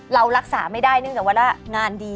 เรารักษาไม่ได้เนื่องจากว่างานดี